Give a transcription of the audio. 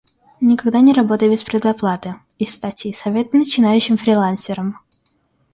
«Никогда не работай без предоплаты» — из статьи "Советы начинающим фрилансерам".